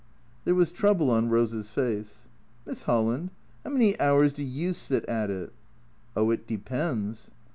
There was trouble on Rose's face. "Miss 'Olland — 'ow many hours do you sit at it?" " Oh, it depends."